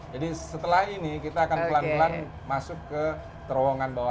jadi setelah ini kita akan pelan pelan masuk ke terowongan bawah